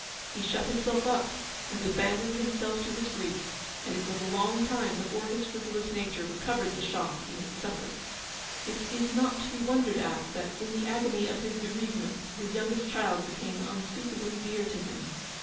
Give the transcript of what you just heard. He shut himself up and abandoned himself to his grief, and it was a long time before his frivolous nature recovered the shock he had suffered, It is not to be wondered at that, in the agony of his bereave ment, his youngest child became unspeakably dear to him.